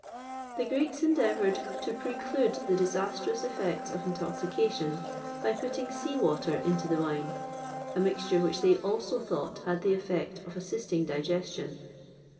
The Greeks endeavoured to preclude the disastrous effects of intoxication by putting sea water into the wine; a mixture which they also thought had the effect of assisting digestion.